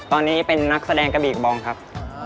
ตอนนี้เป็นนักแสดงกระบี่บองครับ